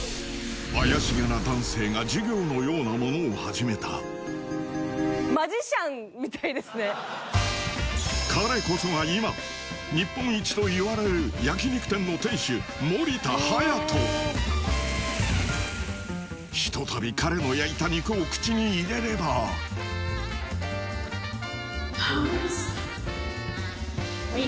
怪しげな男性が授業のようなものを始めた彼こそが今日本一といわれる焼肉店の店主ひとたび彼の焼いた肉を口に入れればおいしい。